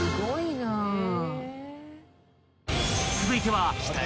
［続いては］